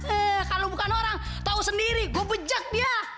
eh kalau bukan orang tahu sendiri gue bejak dia